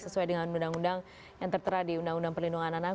sesuai dengan undang undang yang tertera di undang undang perlindungan anak